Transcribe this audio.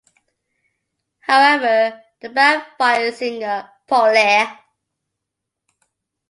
However, the band fired singer Poley.